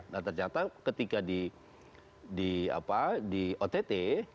nah ternyata ketika di ott